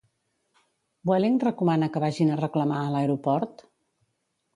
Vueling recomana que vagin a reclamar a l'aeroport?